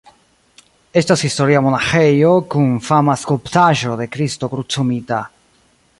Estas historia monaĥejo kun fama skulptaĵo de Kristo Krucumita.